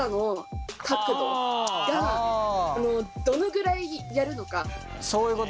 どのぐらいやるのか。